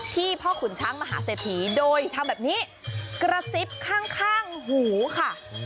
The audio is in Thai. พ่อขุนช้างมหาเศรษฐีโดยทำแบบนี้กระซิบข้างหูค่ะ